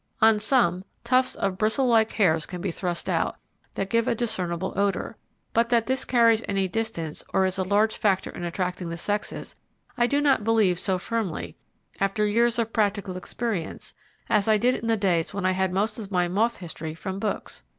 On some, tufts of bristlelike hairs can be thrust out, that give a discernible odour; but that this carries any distance or is a large factor in attracting the sexes I do not believe so firmly, after years of practical experience, as I did in the days when I had most of my moth history from books.